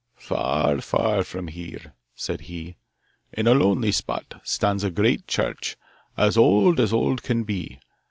'Far, far from here,' said he, 'in a lonely spot, stands a great church, as old as old can be.